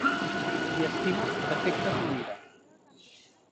Qui estima, defectes no mira.